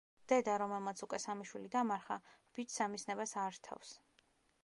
დედა, რომელმაც უკვე სამი შვილი დამარხა, ბიჭს ამის ნებას არ რთავს.